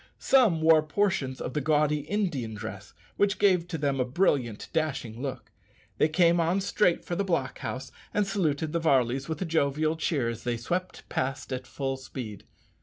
Some wore portions of the gaudy Indian dress, which gave to them a brilliant, dashing look. They came on straight for the block house, and saluted the Varleys with a jovial cheer as they swept past at full speed.